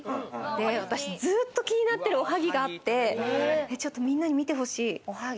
私ずっと気になってるおはぎがあって、ちょっと、みんなに見てほしい。